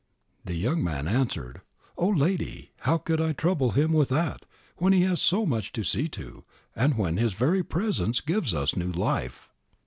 The young man answered, "O lady, how could I trouble him with that, when he has so much to see to, and when his very presence gives us new life.'"